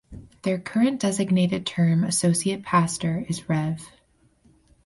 Their current designated term associate pastor is Rev.